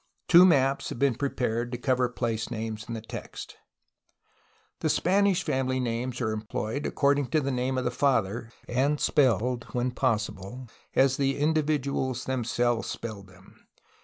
Two maps have been prepared to cover place names in the text. Spanish family names are employed according to the name of the father, and spelled, when possible, as the individuals themselves spelled them.